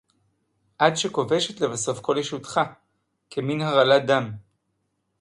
עד שכובשת לבסוף כל ישותך כמין הרעלת דם